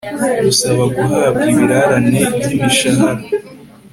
gusaba guhabwa ibirarane by imishahara